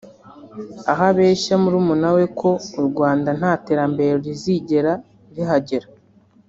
aho abeshya murumuna we ko u Rwanda nta terambere rizigera rihagera